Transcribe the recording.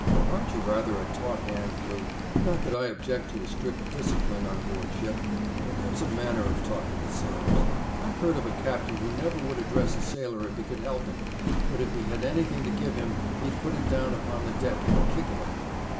'Aren't you rather a taut hand, Glew? Not that I object to a strict discipline on board ship; but there is a manner of talking to sailors.... I've heard of a captain who never would address a sailor if he could help it, but if he had anything to give him he'd put it down upon the deck and kick it at him.'